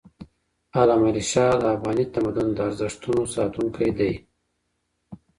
علامه رشاد د افغاني تمدن د ارزښتونو ساتونکی دی.